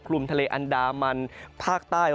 กลุ่มทะเลอันดามันภาคใต้